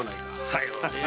さようで。